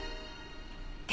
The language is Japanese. で？